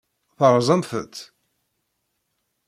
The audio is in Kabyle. Terẓamt-tt?